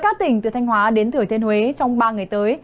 các tỉnh từ thanh hóa đến thừa thiên huế trong ba ngày tới